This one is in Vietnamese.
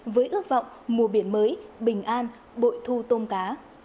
với ước vọng mùa biển mới bình an bội thu tôm cá